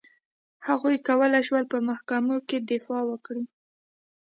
هغوی کولای شول په محکمو کې دفاع وکړي.